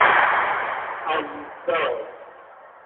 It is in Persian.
اَلیسا